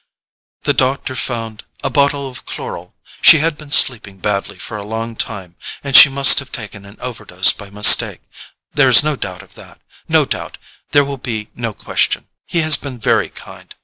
"The doctor found a bottle of chloral—she had been sleeping badly for a long time, and she must have taken an overdose by mistake.... There is no doubt of that—no doubt—there will be no question—he has been very kind.